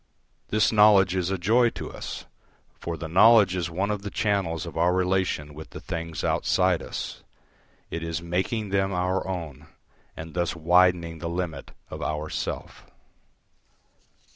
This knowledge is a joy to us, for the knowledge is one of the channels of our relation with the things outside us; it is making them our own, and thus widening the limit of our self.